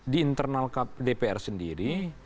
di internal dpr sendiri